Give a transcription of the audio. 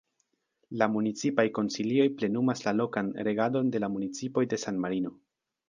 La Municipaj Konsilioj plenumas la lokan regadon de la municipoj de San-Marino.